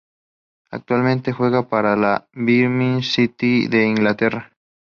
Actualmente juega para el Birmingham City de Inglaterra.